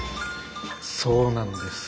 そうなんです。